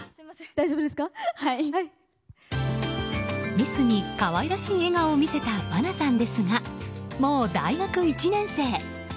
ミスに可愛らしい笑顔を見せた愛菜さんですがもう大学１年生。